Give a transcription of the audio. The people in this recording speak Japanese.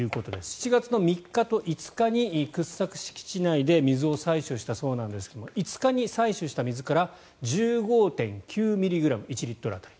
７月の３日と５日に掘削敷地内で水を採取したそうですが５日に採取した水から１５．９ｍｇ、１リットル当たり